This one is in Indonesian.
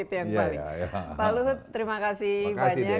pak luhut terima kasih banyak